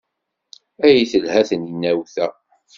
Ay telha tegnawt-a!